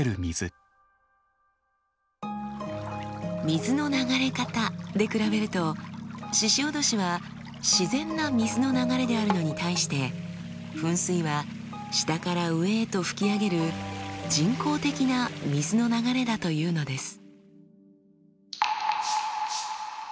水の流れ方で比べると鹿おどしは自然な水の流れであるのに対して噴水は下から上へと噴き上げる人工的な水の流れだというのです。